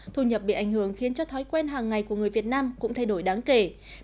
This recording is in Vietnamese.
thu nhập bị ảnh hưởng khiến cho thói quen hàng ngày của người việt nam cũng thay đổi đáng kể